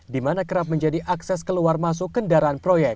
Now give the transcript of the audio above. di mana kerap menjadi akses keluar masuk kendaraan proyek